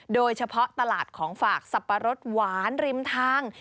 โดยเฉพาะตลาดของฝากสับปะรดหวานริมทาง